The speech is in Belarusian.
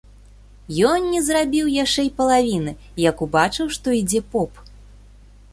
Ён не зрабіў яшчэ й палавіны, як убачыў, што ідзе поп.